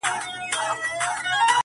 او پر ځان یې حرام کړي وه خوبونه -